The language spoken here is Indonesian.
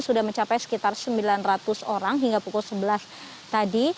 sudah mencapai sekitar sembilan ratus orang hingga pukul sebelas tadi